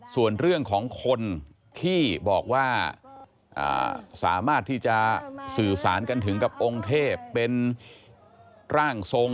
ส่วนเรื่องของคนที่บอกว่าสามารถที่จะสื่อสารกันถึงกับองค์เทพเป็นร่างทรง